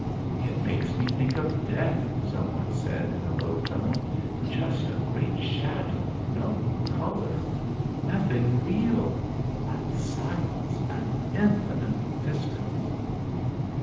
"It makes me think of death," some one said in a low tone. "Just a great shadow, no color. Nothing real. And silence, and infinite distance."